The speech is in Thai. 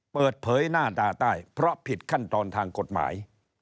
เปิดเผยหน้าตาใต้เพราะผิดขั้นตอนทางกฎหมาย